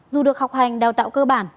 dù được học hành đào tạo cơ bản